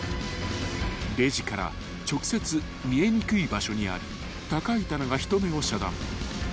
［レジから直接見えにくい場所にあり高い棚が人目を遮断